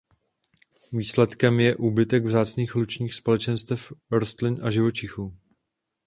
Výsledkem je úbytek vzácných lučních společenstev rostlin a živočichů.